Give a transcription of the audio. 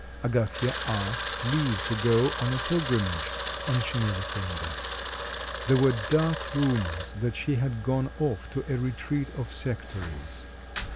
Agafya asked leave to go on a pilgrimage and she never came back. There were dark rumours that she had gone off to a retreat of sectaries.